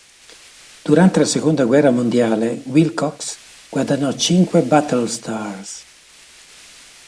Durante la seconda guerra mondiale, Wilcox guadagnò cinque "battle stars".